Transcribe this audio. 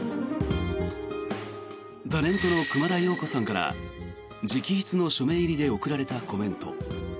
タレントの熊田曜子さんから直筆の署名入りで送られたコメント。